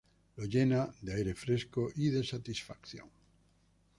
Lo llena de aire fresco y de satisfacción".